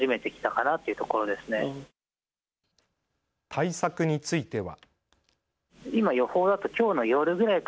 対策については。